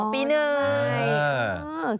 อ๋อปีหนึ่ง